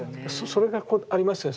それがありますよね。